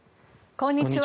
こんにちは。